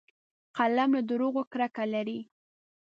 قلم له دروغو کرکه لري